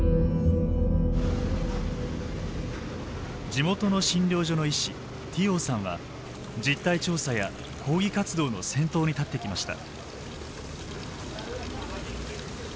地元の診療所の医師ティオーさんは実態調査や抗議活動の先頭に立ってきました。